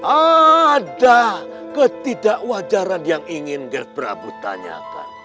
ada ketidakwajaran yang ingin gerd prabu tanyakan